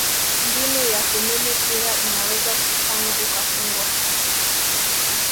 mbinu ya kumili pira inaweza kufanya ukafungwa